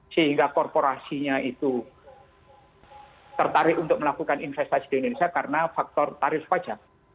sehingga korporasinya itu tertarik untuk melakukan investasi di indonesia karena faktor tarif pajak